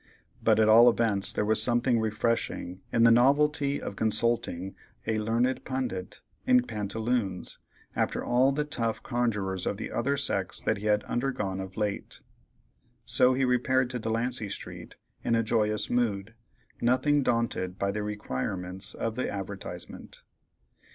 But at all events there was something refreshing in the novelty of consulting a "learned pundit" in pantaloons, after all the tough conjurers of the other sex that he had undergone of late. So he repaired to Delancey street in a joyous mood, nothing daunted by the requirements of the advertisement.